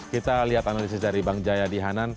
kita lihat analisis dari bang jayadi hanan